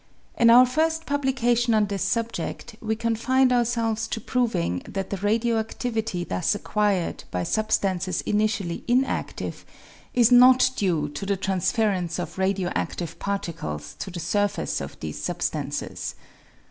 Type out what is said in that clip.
In our first publication on this subjedl, we confined ourselves to proving that the radio activity thus acquired by substances initially inaftive is not due to the transference of radio adlive particles to the surface of these substances.